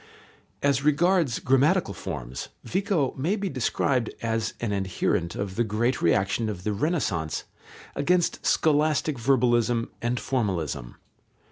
As regards grammatical forms, Vico may be described as an adherent of the great reaction of the Renaissance against scholastic verbalism and formalism.